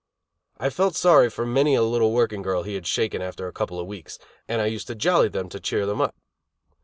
I felt sorry for many a little working girl he had shaken after a couple of weeks; and I used to jolly them to cheer them up.